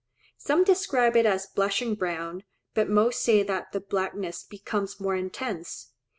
Some describe it as blushing brown, but most say that the blackness becomes more intense.